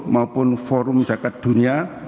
maupun forum zakat dunia